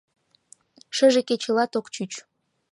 — Шыже кечылат ок чуч.